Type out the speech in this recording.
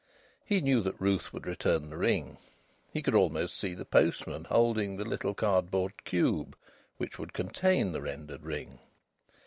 He knew that Ruth would return the ring. He could almost see the postman holding the little cardboard cube which would contain the rendered ring.